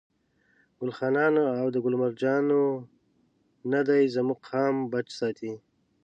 ګل خانانو او ده ګل مرجانو نه دي زموږ قام بچ ساتي.